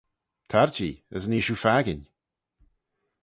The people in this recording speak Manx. Tar-jee as nee shiu fakin.